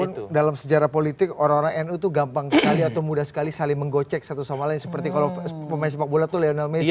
walaupun dalam sejarah politik orang orang nu itu gampang sekali atau mudah sekali saling menggocek satu sama lain seperti kalau pemain sepak bola itu lionel messi